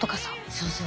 そうそう。